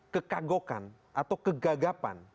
kekagokan atau kegagapan